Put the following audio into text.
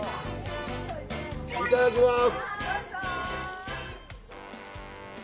いただきます。